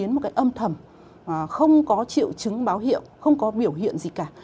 nó thầm không có triệu chứng báo hiệu không có biểu hiện gì cả